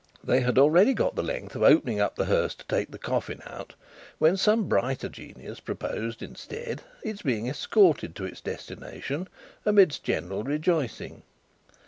They had already got the length of opening the hearse to take the coffin out, when some brighter genius proposed instead, its being escorted to its destination amidst general rejoicing.